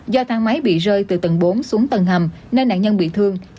do thang máy bị rơi từ tầng bốn xuống tầng hầm nên nạn nhân bị thương